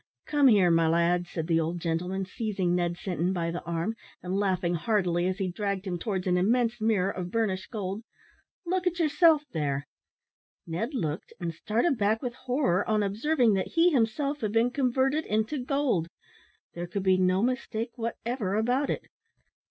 "Come here, my lad," said the old gentleman, seizing Ned Sinton by the arm, and laughing heartily as he dragged him towards an immense mirror of burnished gold; "look at yourself there." Ned looked, and started back with horror on observing that he himself had been converted into gold. There could be no mistake whatever about it.